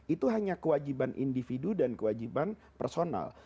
itu hanya kewajiban individu dan kewajiban personal